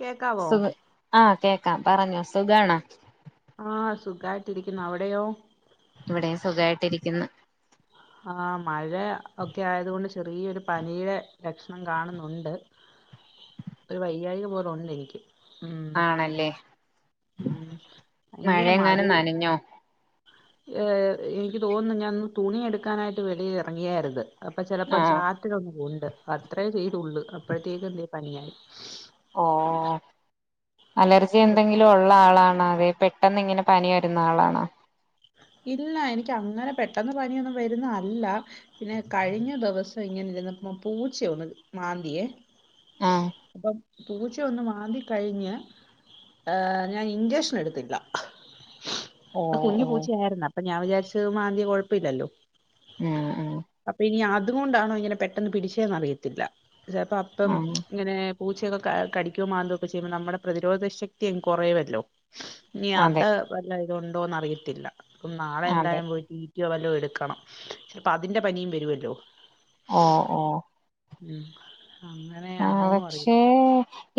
കേക്കാവോ സുഖ ആഹ് കേക്കാം പറഞ്ഞോ സുഖണോ? ആഹ് സുഖായിട്ടിരിക്കുന്നു അവിടെയോ? ഇവിടെയും സുഖമായിട്ടിരിക്കുന്ന്. ആഹ് മഴ ഒക്കെ ആയതുകൊണ്ട് ചെറിയൊരു പനിയുടെ ലക്ഷണം കാണുന്നുണ്ട്. ഒരു വൈയ്യായിക പോലോണ്ടനിക്ക്. ഉം ആണല്ലേ ഉം ഭയങ്കര മഴയെങ്ങാനും മഴയും. നനഞ്ഞോ ഏഹ്, എനിക്ക് തോന്നുന്നു ഞാനന്ന് തുണിയെടുക്കാനായിട്ട് വെളിയിൽ ഇറങ്ങിയായിരുന്നു. അപ്പൊ ചിലപ്പോ ആഹ് ചാറ്റിലൊന്നും ഉണ്ട് അത്രയേ ചെയ്തള്ളൂ അപ്പോഴത്തേക്കും ദേ പനിയായി. ഓഹ് അലർജി എന്തെങ്കിലും ഉള്ള ആളാണോ അതെ പെട്ടെന്ന് ഇങ്ങനെ പനി വരുന്ന ആളാണോ. ഇല്ല, എനിക്ക് അങ്ങനെ പെട്ടന്ന് പനിയൊന്നും വരുന്ന അല്ല. പിന്നെ കഴിഞ്ഞ ദിവസം ഇങ്ങനെ ഇരുന്നപ്പ പൂച്ച ഒന്ന് മാന്തിയെ. ആഹ് അപ്പം പുച്ചയൊന്ന് മാന്തി കഴിഞ്ഞ്. ആഹ്, ഞാൻ ഇൻചക്ഷൻ എടുത്തില്ല. ഓ കുഞ്ഞു ഓ പൂച്ച ആയിരുന്നു അപ്പൊ ഞാൻ വിചാരിച്ച മാന്തിയ കുഴപ്പമില്ലല്ലോ. ഉം ഉം അപ്പൊ ഇനി അതുകൊണ്ടാണോ ഇങ്ങനെ പെട്ടെന്ന് പിടിച്ചന്നറിയത്തില്ല ചിലപ്പോ. ഇപ്പം ആഹ് ഇങ്ങനെ പൂച്ചയൊക്കെ ക കടിക്കോ മന്തക്കെ ചെയ്യുമ്പോൾ നമ്മുടെ പ്രതിരോധ ശക്തി കുറയവല്ലോ. ഇനി അതെ അത് വല്ലത് ഉണ്ടോന്ന് അറിയത്തില്ല അപ്പം നാളെ അതെ എന്തായാലും പോയിട്ട് സുചിയോവല്ലോ എടുക്കണം ചിലപ്പോ അതിന്റെ പനിയും വരുമല്ലോ. ഓഹ് ഓഹ് ഉം അങ്ങനെ ആഹ് ആണോന്ന് പക്ഷേ അറിയട്ടെ.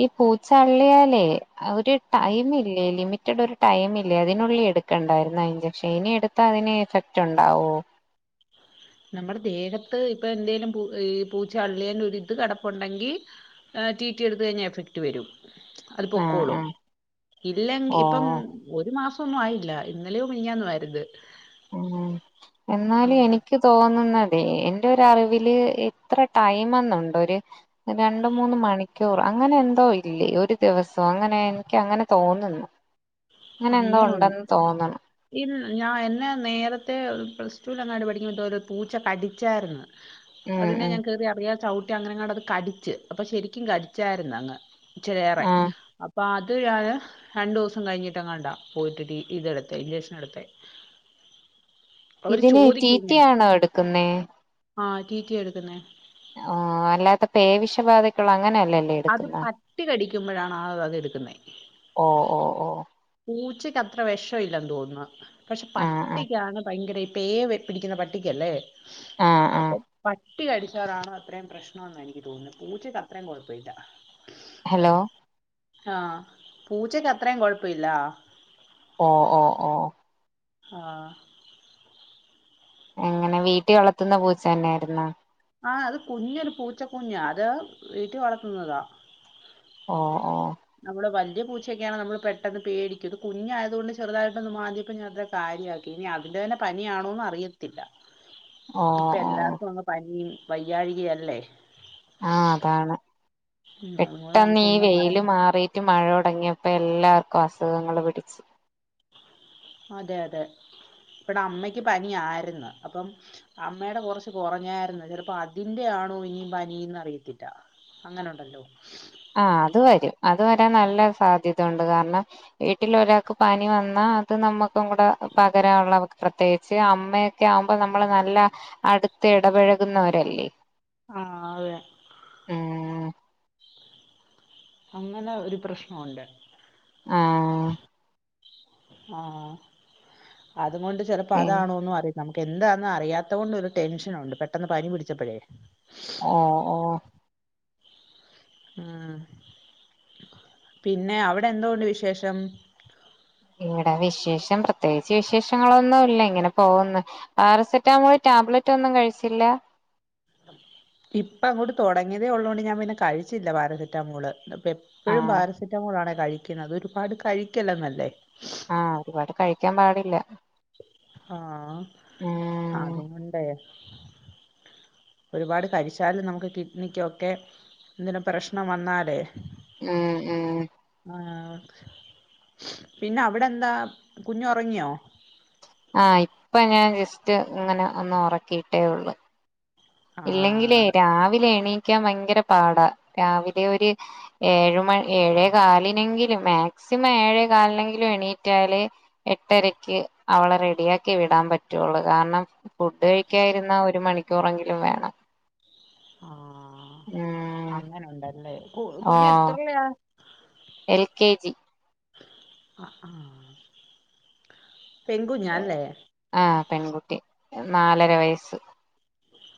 ഈ പൂച്ചള്ളിയാലേ അവര് ആ, ടൈമ ല്ലേ ലിമിറ്റഡ് ഒരു ടൈം ഇല്ലേ അതിനുള്ളിൽ എടുക്കണ്ടായിരുന്ന ഇൻചക്ഷൻ ഇനി എടുത്താ അതിന് എഫക്റ്റ് ഉണ്ടാവോ. നമ്മുടെ ദേഹത്ത് ഇപ്പൊ എന്തേലും പ പൂച്ച അള്ളിയൽ ഒരുരിത് കടപ്പുണ്ടെങ്കിൽ ട്ടീ ട്ടി എടുത്ത് കഴിഞ്ഞാല് എഫക്ട് വരും അത് ആഹ് പൊക്കോളും ആഹ് ഇല്ലങ്കി ഇപ്പം ഓ ഒരു മാസെന്നും ആയില്ല ഇന്നലെയോ മിഞ്ഞാന്നെ ആയിരുന്നു. ഉം എന്നാലും എനിക്ക് എനിക്ക് തോന്നുന്നതെ എന്റെ ഒരു അറിവില് എത്ര ടൈമന്നുണ്ട് ഒര് രണ്ട് മൂന്ന് മണിക്കൂർ അങ്ങനെ എന്തോ ഇല്ലേ ഒരു ദിവസം അങ്ങനെഎന്തോ എനിക്ക് അങ്ങനെ തോന്നുന്നു. അങ്ങനെ എന്തോ അങ്ങനുണ്ട്. ഉണ്ടെന്ന് തോന്നണ് ഞാൻ എന്നെ നേരത്തെ പ്ലസ്റ്റുലങ്ങാണ്ട് പഠിക്കുമ്പോത്തെരു പൂച്ച കടിച്ചായിരുന്നു. ഉം അതിനെ ഉം ഞാൻ കേറി അറിയാതെ ചവിട്ടി അങ്ങനെങ്ങാണ്ട് അത് കടിച്ച് അപ്പൊ ശരിക്കും കടിച്ചായിരുന്നു അങ്ങ്. [unintelligible] റെ ആഹ് അപ്പൊ അത് ഞാന് രണ്ടുസം കഴിഞ്ഞിട്ട് ട്ടങ്ങാണ്ടാ പോയിട്ട് ട്ടീ ട്ടി എടുത്തെ ഇഞ്ചക്ഷൻ എടുത്തെ. അവര് ഇതിന് ട്ടി ട്ടി ആണോ എടുക്കുന്നേ? ആഹ് റ്റി റ്റി എടുക്കുന്നേ ആ അല്ലാത്ത പേവിഷ ബാധയ്ക്കുള്ള അങ്ങനെല്ലല്ലേ അത് പട്ടി കടിക്കുമ്പഴാണ് ആ അത് എടുക്കുന്നേ ഓ ഓ ഓ പൂച്ചക്ക് അത്ര വെഷല്ലാന്ന് തോന്നുന്നു പക്ഷെ ആഹ് ആഹ് പട്ടിക്കാണ് ഭയങ്കര പേ പിടിക്ക്ണ പട്ടിക്കല്ലേ ആഹ് അപ്പൊ ആഹ് പട്ട് പട്ടി കടിച്ചാലാണ് അത്രയും പ്രശ്നമെന്ന് എനിക്ക് തോന്നുന്നെ പൂച്ചക്ക് അത്രയും കൊഴപ്പവില്ല ഹലോ ഹാ പൂച്ചക്ക് അത്രയും കൊഴപ്പവില്ല ഓ ഓ ഓ ആഹ് എങ്ങനെ വീട്ടിൽ വളത്തുന്ന പൂച്ച തന്നെയായിരുന്നോ ആ അത് കുഞ്ഞൊരു പൂച്ച കുഞ്ഞാ അത് വീട്ടി വളർത്തുന്നതാ ഓ ഓ നമ്മള് വല്ല്യ പൂച്ചക്കെയാണ് നമ്മള് പെട്ടെന്ന് പേടിക്കും കുഞ്ഞായതുകൊണ്ട് ചെറുതായിട്ടും മാന്ത്യപ്പം ഞാ ത്ര കാര്യക്കി ഇനി അതിന്റെ തന്നെ പനിയണോന്ന് അറിയ ത്തില്ല ഓ ഇപ്പ ഓ എല്ലാർക്കും അങ്ങ് പനിയും വയ്യാഴികയല്ലേ ആഹ് അതാണ് ഉം അതുകൂലെ പെട്ടെന്ന് നമുക്ക് ഈ ഒന്നും വെയില് പറയാം മാറിയിട്ട് മഴ തെടങ്ങിയപ്പോ എല്ലാവർക്കും അസുഖങ്ങള് പിടിച്ച് അതെ അതെ ഇവടെ അമ്മക്ക് പനിയാരുന്നു അപ്പം അമ്മാടെ കൊറച്ച് കൊറഞ്ഞായിരുന്നു ചെലപ്പോ അതിന്റെ ആണോ ഇനിയും പനീന്ന് അറിയത്തില്ല അങ്ങനെ ഉണ്ടല്ലോ ആഹ് അത് വരും അത് വരാൻ നല്ല സാധ്യത ഉണ്ട് കാരണം വീട്ടിൽ ഒരാൾക്ക് പനി വന്നാ അത് നമ്മക്കും കൂടെ പകരാനുള്ള പ്രത്യേകിച്ച് അമ്മയൊക്കെ ആകുമ്പോ നമ്മള് നല്ല അടുത്ത് ഇടപഴകുന്നവരല്ലേ ആ അതെ ഉം അങ്ങനെ ഒരു പ്രശ്നം ഉണ്ട് ആഹ് ആഹ് അതുകൊണ്ട് ചെലപ്പോ പിൻ അതാണോന്ന് അറി നമ്മക്ക് എന്താന്ന് അറിയാത്ത കൊണ്ട് ഒരു ടെൻഷനുണ്ട് പെട്ടെന്ന് പനി പിടിച്ചപ്പഴേ ഓ ഓ ഉം പിന്നെ അവിടെ എന്തോണ്ട് വിശേഷം ഇവിടെ വിശേഷം പ്രത്യേകിച്ച് വിശേഷങ്ങളൊന്നുല്ല ഇങ്ങനെ പോവുന്ന് പാരസെറ്റാമോള് ടാബ്ലറ്റ് ഒന്നും കഴിച്ചില്ല ഇപ്പം അങ്ങോട്ട് തെടങ്ങിയതേ ഒള്ളൊണ്ട് ഞാൻ പിന്നെ കഴിച്ചില്ല പാരസെറ്റമോള് എപ്പഴും ആഹ് പാരസെറ്റാമോളാണേ കഴിക്കുന്നത് അത് ഒരുപാട് കഴിക്കല്ലെന്നല്ലേ ആഹ് ഒരുപാട് കഴിക്കാൻ പാടില്ല ആഹ് ഉം അതു കൊണ്ടേ ഒരുപാട് കഴിച്ചാല് നമുക്ക് കിഡ്നിക്കൊക്കെ എന്തിന പ്രശ്നം വന്നാലേ ഉം ഉം ആഹ് പിന്നെ അവിടെ എന്താ കുഞ്ഞൊറങ്ങിയോ? ആഹ് ഇപ്പ ഞാൻ ജസ്റ്റ് ഇങ്ങനെ ഒന്ന് ഉറക്കിയിട്ടേ ഉള്ളു ആ ഇല്ലെങ്കിലേ രാവിലെ എണീക്കാൻ ഭയങ്കര പാടാ രാവിലെ ഒരു ഏഴ് മണി ഏഴേ കാലിനെങ്കിലും മാക്സിമം ഏഴേ കാലിനെങ്കിലും എണീറ്റാലെ എട്ടരക്ക് അവളെ റെഡിയാക്കി വിടാൻ പറ്റുവൊള്ളു കാരണം ഫുഡ് കഴിക്കാൻ ഇരുന്നാ ഒരു മണിക്കൂറെങ്കിലും വേണം ആഹ് ഉം അങ്ങനുണ്ടല്ലേ. കു കുഞ്ഞ് ഓഹ് എത്രയിലാ എൽ കെ ജി ആഹ് ആഹ് പെങ്കുഞ്ഞാല്ലേ ആഹ് പെൺകുട്ടി നാലര വയസ്സ്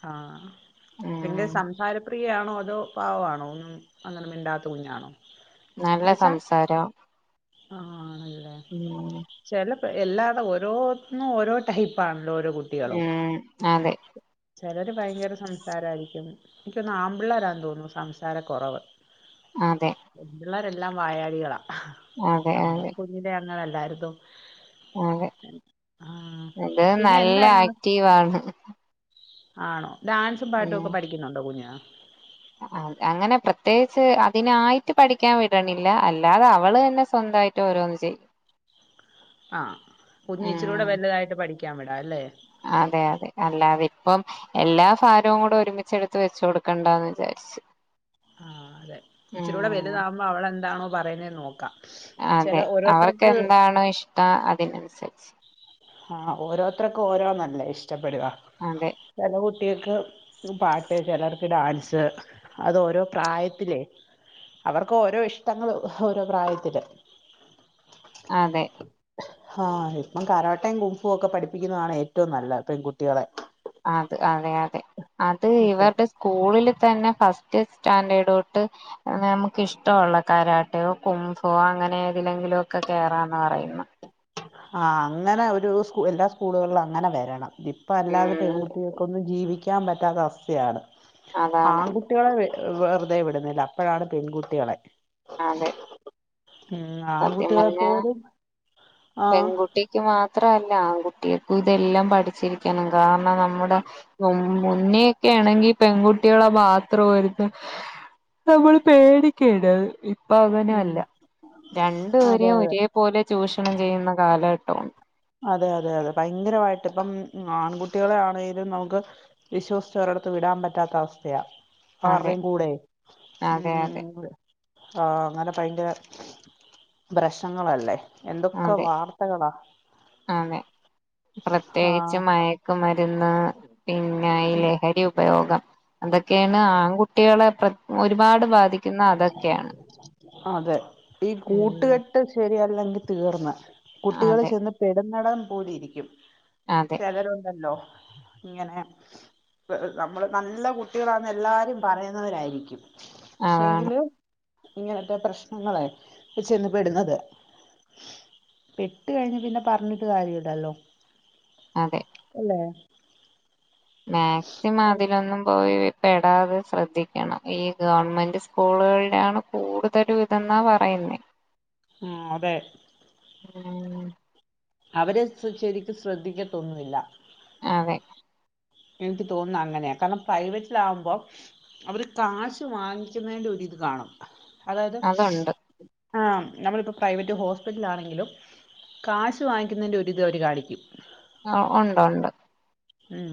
ആഹ് ഭയങ്കര ഉം സംസാര പ്രി യാണോ അതോ പാവാണോ? ഒന്നും അങ്ങനെ മിണ്ടാത്ത കുഞ്ഞാണോ? നല്ല സംസാരാ ആഹ് ആണല്ലേ ഉം ചെല പേ എല്ലാത ഓരോന്നും ഓരോ ടൈപ്പാണല്ലോ ഓരോ കുട്ടി ഉം അതെ ചിലര് ഭയങ്കര സംസാരായിരിക്കും എനിക്കൊന്ന് ആമ്പിള്ളേരാന്ന് തോന്നുന്നു സംസാര കുറവ് അതെ പെമ്പിള്ളേരെല്ലാം വായാടികളാ. അതെ നമ്മളും അതെ കുഞ്ഞിലെ അങ്ങനല്ലാരുന്നൊ അതെ ആഹ് ഇത് പിന്നെ നല്ല എന്തായിരുന്നു ഇന്ന് ആക്റ്റീവാണ് ആണോ ഡാൻസും പാട്ടും ഉം ഒക്കെ പഠിക്കുന്നുണ്ടോ കുഞ്ഞ് അങ്ങനെ പ്രത്യേകിച്ച് അതിനായിട്ട് പഠിക്കാൻ വിടണില്ല. അല്ലാതെ അവള് തന്നെ സ്വന്തായി ട്ട് ഓരോന്ന് ചെയ്യും ആഹ് കുഞ്ഞ് ഇച്ചിരി കൂടെ ഉം വലുതായിട്ട് പഠിക്കാൻ വിടാ അല്ലേ അതെ അതെ അല്ലാതെ ഇപ്പം എല്ലാ ഭാരവും കൂടെ ഒരുമിച്ചെടുത്ത് വെച്ചു കൊടുക്കണ്ടാന്ന് വിചാരിച്ചു ആഹ് അതെ ഇച്ചിരൂടെ ഉം വലുത് ആകുമ്പോ അവളെന്താണോ പറയുന്നേന്ന് നോക്കാം ചില അതെ അവർക്ക് ഓരോരുത്തർക്ക് എന്താണോ ഇഷ്ടം അതിനനുസരിച്ച് ആഹ് ഓരോരുത്തർക്കും ഓരോന്നല്ലേ ഇഷ്ടപ്പെടുവാ അതെ ചെല കുട്ടികൾക്ക് പാട്ട് ചിലർക്ക് ഡാൻസ് അത് ഓരോ പ്രായത്തിലേ അവർക്ക് ഓരോ ഇഷ്ടങ്ങൾ ഓരോ പ്രായത്തില് [inaudible] അതെ ആഹ് ഇപ്പം കരാട്ടയും കുംഫും ഒക്കെ പഠിപ്പിക്കുന്നതാണ് ഏറ്റവും നല്ലത് പെൺകുട്ടികളെ അത് അതെ അതെ അത് ഇവര്ടെ സ് സ്കൂളില് തന്നെ ഫസ്റ്റ് സ്റ്റാൻഡേർട് തൊട്ട് നമുക്കിഷ്ടമുള്ള കരാട്ടയോ കുംഫുവൊ അങ്ങനെ ഏതിലെങ്കിലും ഒക്കെ കേറാന്നാ പറയുന്നെ ആഹ് അങ്ങനെ ഒരു സ്കൂ എല്ലാ സ്കൂളുകളിലും അങ്ങനെ വരണം ഇപ്പം അല്ലാതെ ഉം പെൺകുട്ടികൾക്കൊന്നും ജീവിക്കാൻ പറ്റാത്ത അവസ്ഥയാണ് അതാണ് ആൺകു ട്ടികളെ വെറുതെ വിടുന്നില്ല. അപ്പഴാണ് പെൺകുട്ടികളെ അതെ ഉം സത്യം ആൺകുട്ടികളെ പറഞ്ഞാ പോലും ആഹ് പെൺകുട്ടിക്ക് മാത്രമല്ല ആൺകുട്ടികൾക്കും ഇതെല്ലാം പഠിച്ചിരിക്കണം കാരണം നമ്മുടെ മുന്നെയൊക്കെ ആണെങ്കി പെൺകുട്ടികളെ മാത്രം ആര്ന്ന് നമ്മള് പേടിക്കേണ്ട അത് ഇപ്പൊ അങ്ങനെ ഉം അല്ല അതെ രണ്ടുപരെയും അതെ ഒരേ പോലെ ചൂഷണം ചെയ്യുന്ന കാലഘട്ട അതെ അതെ അതെ ഭയങ്കരമായിട്ട് ഇപ്പം ആൺകുട്ടികളെ ആണെങ്കിലും നമുക്ക്. വിശ്വസിച്ച് ഒരിടത്ത് വിടാൻ പറ്റാത്ത അവസ്ഥയാ. അതെ ആരുടേം കൂടെ ഉം അതെ ആ അങ്ങനെ ഭയങ്കര പ്രശ്നങ്ങളല്ലേ എന്തൊക്കെ അതെ വാർ അതെ പ്രത്യേകിച്ച് ആഹ് മയ മയക്ക് മരുന്ന് പിന്നെ ഈ ലഹരി ഉപയോഗം. അതൊക്കെയാണ് ആൺകുട്ടികളെ പ്ര ഒരുപാട് ബാധി അതെ ഈ ഉം കൂട്ടുകെട്ട് ശരിയല്ലെങ്കിൽ തീർന്ന്. കുട്ടികൾ അതെ ചെന്ന് പെടുന്നടം പോലെ ഇരിക്കും അതെ ചിലരുണ്ടല്ലോ. ഇങ്ങനെ നമ്മള് നല്ല കുട്ടികളാന്ന് എല്ലാരും പറയുന്നവരായിരിക്കും. പക്ഷെ അതാണ് ങ്കിലും ഇങ്ങനത്തെ പ്രശ്നങ്ങളെ ചെന്ന് പെടുന്നത്. പെട്ട് കഴിഞ്ഞ പിന്നെ പറഞ്ഞിട്ട് കാര്യ ഇല്ലല്ലോ. അതെ അല്ലേ? മാക്സിമം അതിലൊന്നും. പോയ്‌ പെടാതെ ശ്രദ്ധിക്കണം ഈ ഗവൺമെന്റ് സ്കൂളുകളിലാണ് കൂടുതലും ഇതെന്നാ പറയുന്നേ. ഉം അതെ. ഉം അവര് ശരിക്കും ശ്രദ്ധിക്കത്തൊന്നുല്ല. അതെ എനിക്ക് തോന്നുന്നു അങ്ങനെയാണ് കാരണം പ്രൈവറ്റിലാകുമ്പോ. അവര് കാശ് വാങ്ങിക്കുന്നതിന്റെ ഒരിത് കാണും അതായത്. അതുണ്ട് ആഹ് നമ്മളിപ്പോ പ്രൈവറ്റ് ഹോസ്പിറ്റല് ആണെങ്കിലും. കാശ് വാങ്ങിക്കുന്നതിൻ്റെ ഒരിത് അവര് കാണിക്കും. ആ ഒണ്ട് ഒണ്ട്. ഉം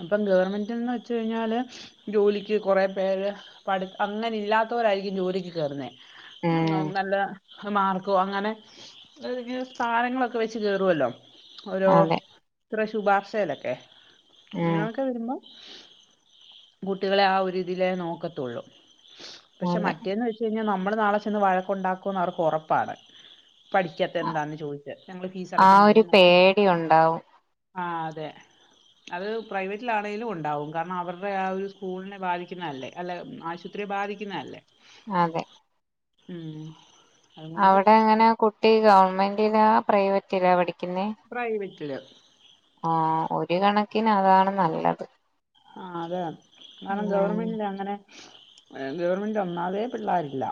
അപ്പം ഗവർമെന്റ്ന്ന് വെച്ച് കഴിഞ്ഞാല്. ജോലിക്ക് കുറ പേര് പഠി അങ്ങനെ ഇല്ലാത്തവരായിരിക്കും ജോലിക്ക് കയറുന്നേ. ഉം നല്ല മാർക്കോ അങ്ങനെ സ്ഥാനങ്ങളൊക്കെ വെച്ച് കേറുവല്ലോ. ഓരോ അതെ ഇത്ര ശുപാർശയിലൊക്കെ പിന്നെ ഉം ഒക്കെ വരുമ്പം കുട്ടികളെ ആ ഒരുതില നോക്കത്തുള്ളൂ. പക്ഷെ അതെ മറ്റേെന്ന് വെച്ച് കഴിഞ്ഞാൽ നമ്മള് നാളെ ചെന്ന് വഴക്കുണ്ടാക്കും എന്ന് അവർക്ക് ഉറപ്പാണ്. പഠിക്കാത്ത എന്താന്ന് ചോദിച് ഞങ്ങള് ഫീസ് ആ അടക്കുന്നല്ലേ ഒരു പേടി ഉണ്ടാവും ആ അതെ. അത് പ്രൈവറ്റിലാണെങ്കിലും ഉണ്ടാവും കാരണം അവരുടെ ആ ഒരു സ്കൂളിനെ ബാധിക്കുന്നതല്ലേ അല്ല ആശു ഒത്തിരി ബാധിക്കുന്നതല്ലേ. അതെ ഉം അതുകൊണ്ട് അവിടെ എങ്ങനെ കുട്ടി ഗവണ്മെന്റിലാ പ്രൈവറ്റിലാ പഠിക്കുന്നേ? പ്രൈവറ്റില് ആ ഒരു കണക്കിന് അതാണ് നല്ലത്. ആ അതെ കാരണം കാരണം ഉം ഗവൺമെന്റില് അങ്ങനെ. ഗവണ്മെന്റ് ഒന്നാമതെ പിള്ളേരില്ല.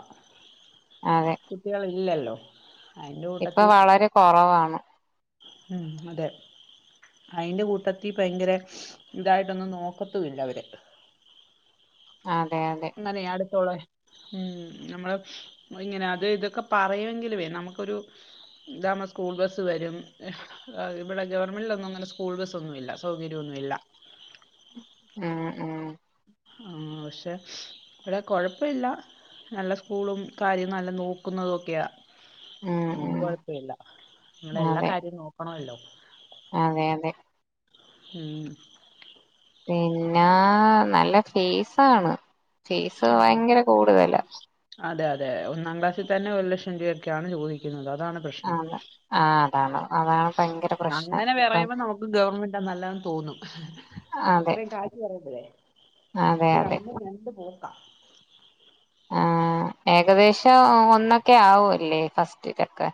അതെ കുട്ടികൾ ഇല്ലല്ലോ. ഇപ്പൊ വളരെ കുറവാണ്. ഉം അതെ. അയിന്റെ കൂട്ടത്തി ഭയങ്കര ഇതായിട്ടൊന്നും നോക്കത്തൂല്ല അവര്. അതെ അതെ. ഇന്നലയെ അടുത്തുള്ള ഉം നമ്മള് ഇങ്ങനെ അത് ഇതൊക്കെ പറയുമെങ്കിലുവേ നമുക്കൊരു ഇതാവുമ്പോ സ്കൂൾ ബസ് വരും ഇവിടെ ഗവൺമെന്റിൽ ഒന്നും ങ്ങനെ സ്കൂൾ ബസ്സ് ഒന്നും ഇല്ല സൗകര്യമൊന്നും ഇല്ല ഉം ഉം ആ പക്ഷെ ഇവിടെ കൊഴപ്പില്ല നല്ല സ്കൂളും കാര്യം നല്ല നോക്കുന്നതൊക്കെയാ ഉം അതു കൊണ്ട് ഉം കൊഴപ്പില്ല നിങ്ങടെ എല്ലാ അതെ കാര്യവും നോക്കണല്ലോ അതെ അതെ ഉം പിന്നെ നല്ല ഫീസാണ് ഫീസ് ആഹ് ഭയങ്കര കൂടുതലാ അതെ അതെ ഒന്നാം ക്ലാസ്സിൽ തന്നെ ഒരു ലക്ഷം രൂപൊക്കെയാണ് ചോദിക്കുന്നത് അതാണ് പ്രശ്നം അത ആഹ് അതാണ് അതാണ് ഭയങ്കര പ്രശ്നം ഇപ്പം ക്ക് ഗവൺമെന്റാ നല്ലതന്ന് തോന്നും അതെ അത്രയും കാശ് പറയുമ്പഴേ അതെ പക്ഷേ അതെ രണ്ടും രണ്ട് ബോക്കാ ആഹ് ഏകദേശം ഒന്നൊക്കെ ആവൂല്ലേ ഫസ്റ്റിലൊക്കെ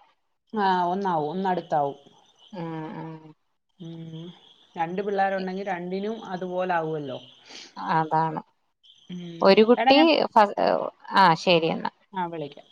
ആഹ് ഒന്നാവും ഒന്നടുത്താവും ഉം ഉം രണ്ട് പിള്ളേരുണ്ടെങ്കിൽ രണ്ടിനും അതുപോലെ ആവുല്ലോ അതാണ് ഒരു എടാ കുട്ടി ഞാൻ ആ ശരി എന്നാ ആഹ് വിളിക്കാം